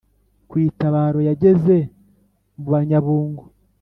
kwitabaro yageze muba nyabungo